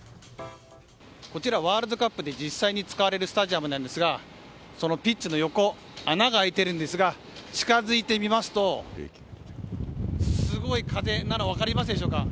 こちら、ワールドカップで実際に使われるスタジアムですがそのピッチの横に穴が開いているんですが近づいてみますとすごい風なの分かりますでしょうか。